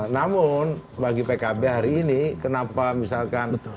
namun bagi pkb hari ini kenapa misalkan